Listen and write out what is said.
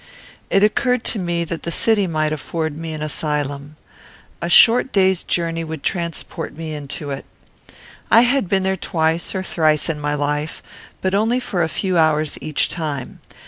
It occurred to me that the city might afford me an asylum. A short day's journey would transport me into it. I had been there twice or thrice in my life, but only for a few hours each time.